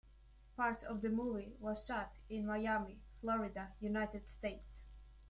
Part of the movie was shot in Miami, Florida, United States.